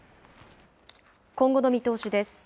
今後の見通しです。